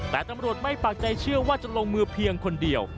แต่ตำรวจไม่ปากใจเชื่อว่าจะลงมือเพียงคนเดียว